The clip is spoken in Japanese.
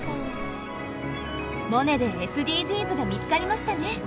「モネ」でＳＤＧｓが見つかりましたね。